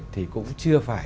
thì cũng chưa phải